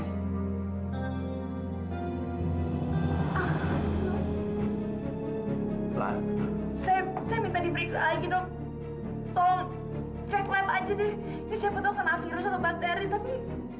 saya minta diperiksa lagi dong tolong cek aja deh siapa tahu karena virus atau bakteri tapi